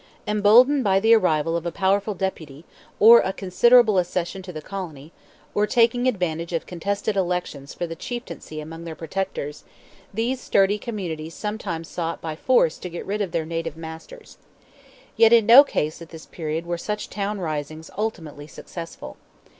Emboldened by the arrival of a powerful Deputy, or a considerable accession to the Colony, or taking advantage of contested elections for the chieftaincy among their protectors, these sturdy communities sometimes sought by force to get rid of their native masters. Yet in no case at this period were such town risings ultimately successful.